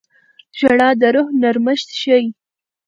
• ژړا د روح نرمښت ښيي.